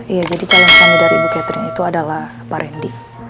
iya jadi calon suami dari ibu catherine itu adalah pak rendy